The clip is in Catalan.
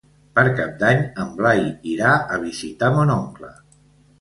Per Cap d'Any en Blai irà a visitar mon oncle.